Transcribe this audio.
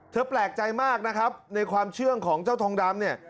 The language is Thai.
แปลกใจมากนะครับในความเชื่องของเจ้าทองดำเนี่ย